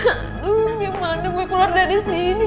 aduh gimana gue keluar dari sini